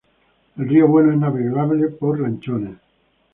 El río Bueno es navegable por lanchones.